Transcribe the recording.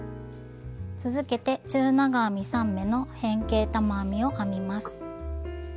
続けて中長編み３目の変形玉編みを編みます。